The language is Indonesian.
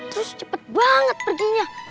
terus cepet banget perginya